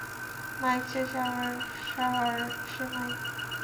Mic সে শাহওয়ার, শাহওয়ার সে mic.